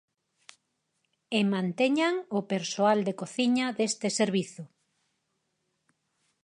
E manteñan o persoal de cociña deste servizo.